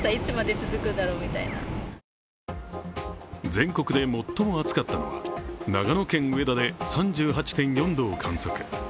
全国で最も暑かったのは長野県上田で３８．４度を観測。